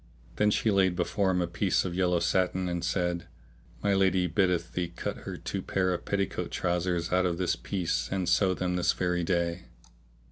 Then she laid before him a piece of yellow satin and said, My lady biddeth thee cut her two pair of petticoat trousers out of this piece and sew them this very day."